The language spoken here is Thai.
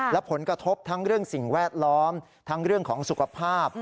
และผลกระทบทั้งเรื่องสิ่งแวดล้อมทั้งเรื่องของสุขภาพ